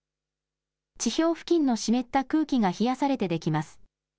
地表付近の湿った空気が冷やされてできます。